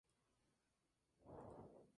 Vestíbulo Mirasierra